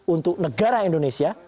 untuk negara indonesia